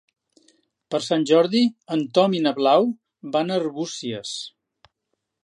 Per Sant Jordi en Tom i na Blau van a Arbúcies.